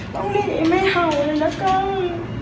ต้องมีไม่เห่าเลยนะเกิง